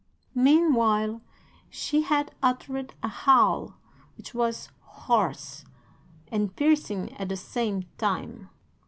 "'Meanwhile she had uttered a howl which was hoarse and piercing at the same time.